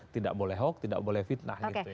tidak boleh hok tidak boleh fitnah